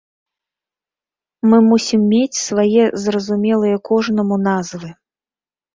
Мы мусім мець свае зразумелыя кожнаму назвы.